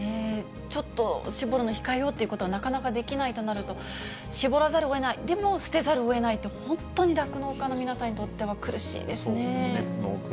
ちょっと搾るの控えようということがなかなかできないとなると、搾らざるをえない、でも捨てざるをえないって、本当に酪農家の皆さんにとっては、苦しいですね。